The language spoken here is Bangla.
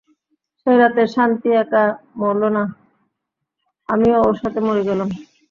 সেই রাতে শান্তি একা মরলো না, আমিও ওর সাথে মরে গেলাম।